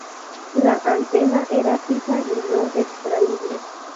La antena era fija y no extraíble.